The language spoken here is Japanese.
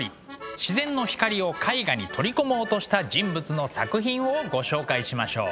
自然の光を絵画に取り込もうとした人物の作品をご紹介しましょう。